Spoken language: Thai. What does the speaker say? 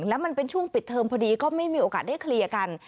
แล้วมันเป็นช่วงปิดเทอมพอดีก็ไม่มีโอกาสได้เคลียร์กัน